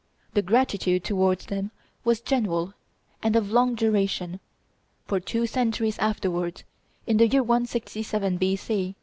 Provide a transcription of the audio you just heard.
The gratitude towards them was general and of long duration, for two centuries afterwards (in the year 167 B.C.)